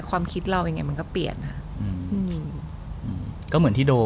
ความคิดเรายังไงมันก็เปลี่ยนนะก็เหมือนที่โดน